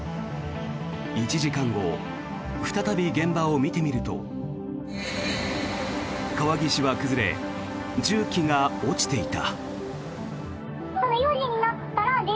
１時間後再び現場を見てみると川岸は崩れ、重機が落ちていた。